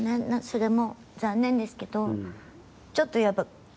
それも残念ですけどちょっとやっぱ。